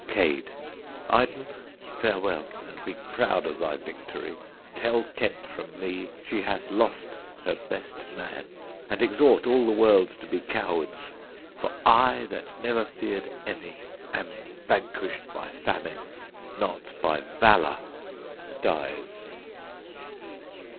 Cade. Iden, farewell; and be proud of thy victory. Tell Kent from me, she hath lost her best man, and exhort all the world to be cowards; for I, that never feared any, am vanquished by famine, not by valour. [_Dies.